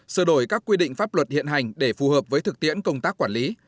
sửa đổi các quy định pháp luật hiện hành để phù hợp với thực tiễn công tác quản lý